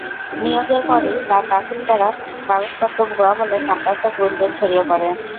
নিয়োগের পরই তাঁর দাখিল করা কাগজপত্র ভুয়া বলে ক্যাম্পাসে গুঞ্জন ছড়িয়ে পড়ে।